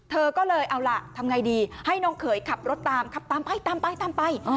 เธอก็เลยเอาล่ะทำไงดีให้น้องเขยขับรถตามขับตามไปตามไปตามไป